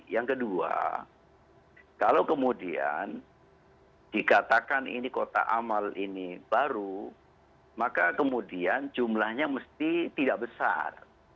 yang kedua kalau kemudian dikatakan ini kota amal ini baru maka kemudian jumlahnya mesti tidak besar